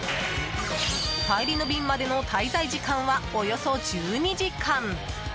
帰りの便までの滞在時間はおよそ１２時間。